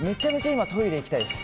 今、トイレ行きたいです。